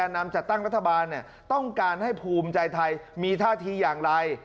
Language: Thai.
นำจัดตั้งรัฐบาลต้องการให้ภูมิใจไทยมีท่าทีอย่างไร